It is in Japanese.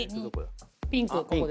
ピンクここですね。